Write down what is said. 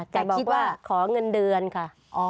แต่คิดว่าขอเงินเดือนค่ะ